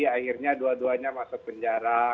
akhirnya dua duanya masuk penjara